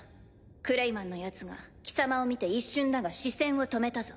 クレイマンのヤツが貴様を見て一瞬だが視線をとめたぞ。